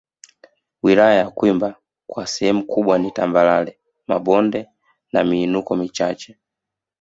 Wilaya ya Kwimba kwa sehemu kubwa ni tambarare mabonde na miinuko michache